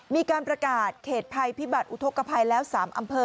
มีการประกาศเขตภัยพิบัติอุทธกภัยแล้ว๓อำเภอ